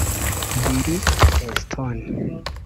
Billy Preston